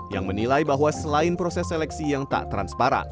yang menilai bahwa selain proses seleksi yang tak transparan